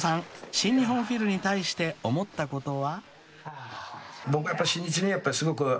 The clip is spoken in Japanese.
新日本フィルに対して思ったことは？］